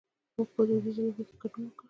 مونږ په دودیزو لوبو کې ګډون وکړ.